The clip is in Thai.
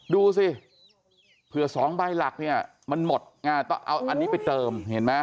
ดูสิเผื่อสองใบหลักเนี่ยมันหมดต้องเอาอันนี้ไปเติมเห็นไหม